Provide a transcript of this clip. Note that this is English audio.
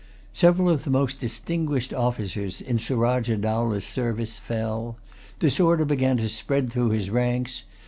Several of the most distinguished officers in Surajah Dowlah's service fell. Disorder began to spread through his ranks.